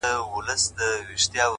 هوښیار انسان هره تجربه کاروي’